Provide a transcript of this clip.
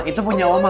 itu punya oma